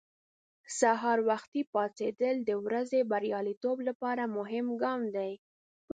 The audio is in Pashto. سهار وختي پاڅېدل د ورځې بریالیتوب لپاره مهم ګام دی.